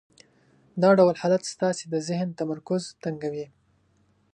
دا ډول حالت ستاسې د ذهن تمرکز تنګوي.